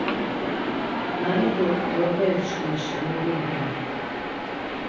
Na idu qoroperiçkimi şeni vimgar.